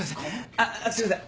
あっすいません